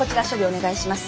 お願いします。